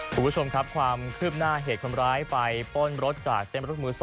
คุณผู้ชมครับความคืบหน้าเหตุคนร้ายไปป้นรถจากเต้นรถมือ๒